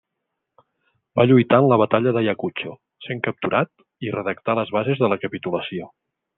Va lluitar en la batalla d'Ayacucho, sent capturat, i redactà les bases de la capitulació.